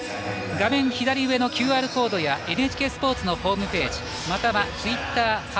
画面左上のＱＲコードやＮＨＫスポーツのホームページまたはツイッター「＃